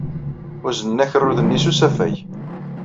Uznen akerrud-nni s usafag.